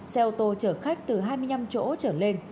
xe ô tô chở khách từ hai mươi năm chỗ trở lên